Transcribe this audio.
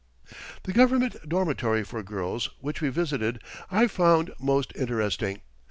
The Government Dormitory for Girls, which we visited, I found most interesting.